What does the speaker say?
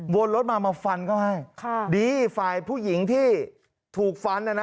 โวนรถมามาฟันเข้าให้ดีฝ่ายผู้หญิงที่ถูกฟัน